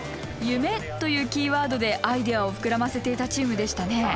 「夢」というキーワードでアイデアを膨らませていたチームでしたね。